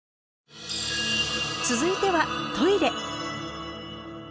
続いてはトイレ。